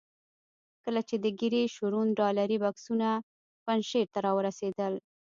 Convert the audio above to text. کله چې د ګیري شرون ډالري بکسونه پنجشیر ته را ورسېدل.